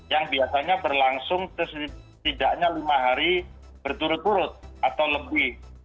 yang biasanya berlangsung setidaknya lima hari berturut turut atau lebih